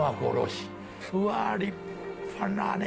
うわ立派なね。